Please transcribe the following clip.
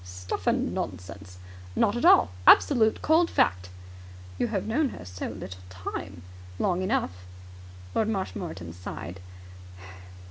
"Stuff and nonsense!" "Not at all. Absolute, cold fact." "You have known her so little time." "Long enough." Lord Marshmoreton sighed.